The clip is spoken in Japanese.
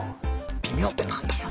微妙ってなんだよ。